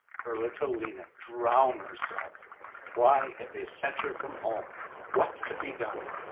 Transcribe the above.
Her little Lena drown herself! Why had they sent her from home? What could be done?